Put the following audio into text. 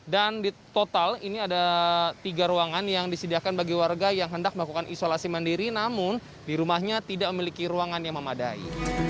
dan di total ini ada tiga ruangan yang disediakan bagi warga yang hendak melakukan isolasi mandiri namun di rumahnya tidak memiliki ruangan yang memadai